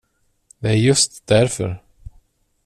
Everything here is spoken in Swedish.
Det är just därför.